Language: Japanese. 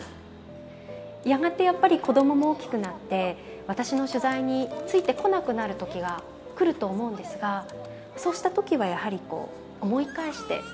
やがてやっぱり子供も大きくなって私の取材についてこなくなる時が来ると思うんですがそうした時はやはりこう思い返してほしいなと思いますね。